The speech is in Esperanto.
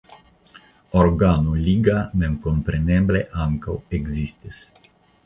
Organo liga memkompreneble ankaŭ ekzistis.